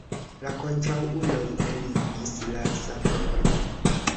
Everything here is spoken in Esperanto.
La kontraŭuloj eligis la sabrojn.